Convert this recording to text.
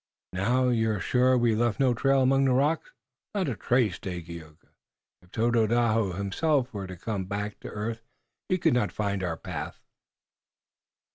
Now, you're sure we've left no trail among those rocks?" "Not a trace, Dagaeoga. If Tododaho himself were to come back to earth he could not find our path."